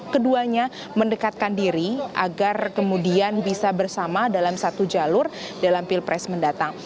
keduanya mendekatkan diri agar kemudian bisa bersama dalam satu jalur dalam pilpres mendatang